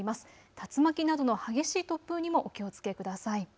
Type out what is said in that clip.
竜巻などの激しい突風にもお気をつけください。